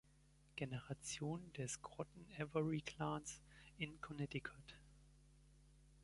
Generation des Groton-Avery-Clans in Connecticut.